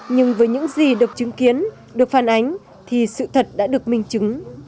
nhưng với những gì được chứng kiến được phản ánh thì sự thật đã được minh chứng